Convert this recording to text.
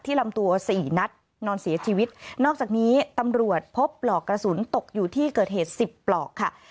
ลำตัวสี่นัดนอนเสียชีวิตนอกจากนี้ตำรวจพบปลอกกระสุนตกอยู่ที่เกิดเหตุสิบปลอกค่ะ